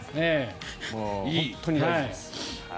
本当に大事です。